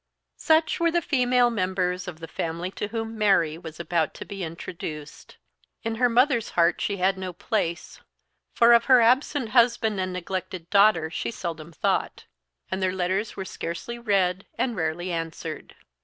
SUCH were the female members of the family to whom Mary was about to be introduced. In her mother's heart she had no place, for of her absent husband and neglected daughter she seldom thought; and their letters were scarcely read, and rarely answered.